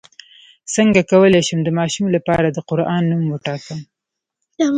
څنګه کولی شم د ماشوم لپاره د قران نوم وټاکم